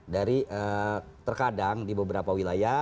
dari terkadang di beberapa wilayah